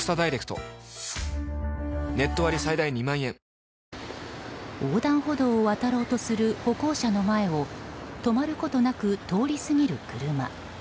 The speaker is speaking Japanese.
「ほんだし」で横断歩道を渡ろうとする歩行者の前を止まることなく通り過ぎる車。